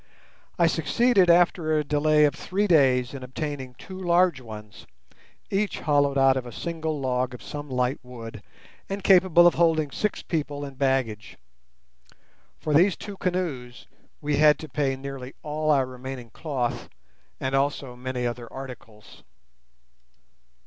I succeeded after a delay of three days in obtaining two large ones, each hollowed out of a single log of some light wood, and capable of holding six people and baggage. For these two canoes we had to pay nearly all our remaining cloth, and also many other articles.